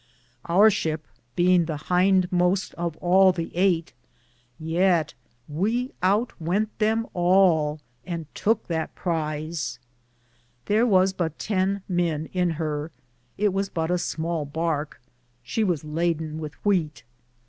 Our shipe beinge the hindmoste of all the 8, yeate we out wente them all, and touke that prise There was but 10 men in her ; it was but a smale barke ; she was loden with wheate.